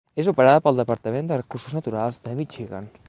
És operada pel Departament de Recursos Naturals de Michigan.